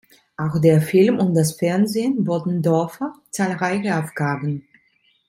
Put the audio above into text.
Auch der Film und das Fernsehen boten Dorfer zahlreiche Aufgaben.